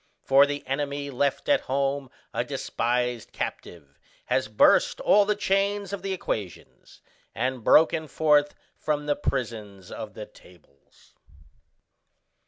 For the enemy left at home a despised captive has burst all the chains of the equations, and broken forth from the prisons of the tables."